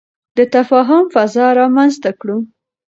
د تفاهم فضا رامنځته کړو.